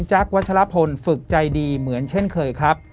วัชลพลฝึกใจดีเหมือนเช่นเคยครับ